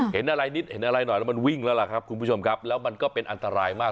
เห็นอะไรนิดเห็นอะไรหน่อยแล้วมันวิ่งแล้วล่ะครับคุณผู้ชมครับแล้วมันก็เป็นอันตรายมาก